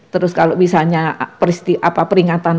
terus kalau misalnya peringatan